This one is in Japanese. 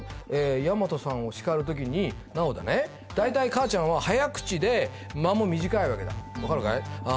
大和さんを叱る時に奈央だね大体母ちゃんは早口で間も短いわけだ分かるかい？